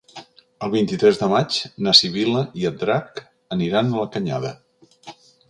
El vint-i-tres de maig na Sibil·la i en Drac aniran a la Canyada.